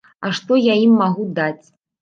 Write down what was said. А што я ім магу даць?